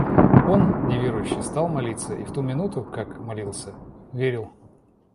Он, неверующий, стал молиться и в ту минуту, как молился, верил.